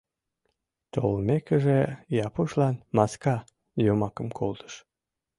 Толмекыже, Япушлан «Маска» йомакым колтыш: